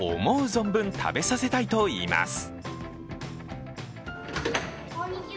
存分食べさせたいといいます。